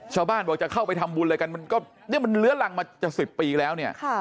ชาวบ้านบอกจะเข้าไปทำบุญอะไรกันมันเหลือหลังมาจาก๑๐ปีแล้ว